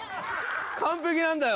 完璧なんだよ